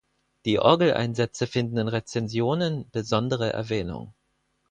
Die Orgeleinsätze finden in Rezensionen besondere Erwähnung.